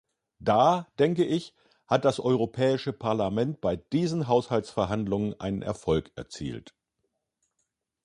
Da, denke ich, hat das Europäische Parlament bei diesen Haushaltsverhandlungen einen Erfolg erzielt.